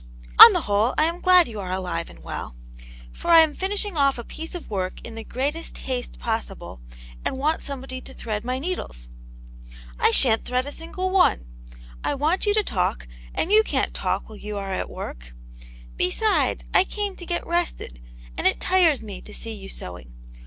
" On the whole, I am glad you are alive and well, for I am finishing off a piece of work in the greatest haste possible, and want somebody to thread my needles." " I sha*n*t thread a single one ; I want you to talk, and you can*t talk when you are at work. Besides, I came to get rested, and it tires me to see you sewing.